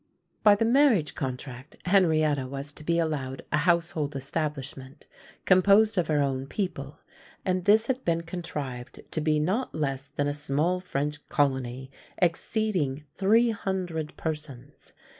By the marriage contract, Henrietta was to be allowed a household establishment, composed of her own people; and this had been contrived to be not less than a small French colony, exceeding three hundred persons.